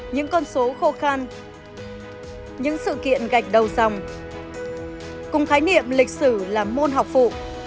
những con số khô khăn những sự kiện gạch đầu dòng cùng khái niệm lịch sử là môn học phụ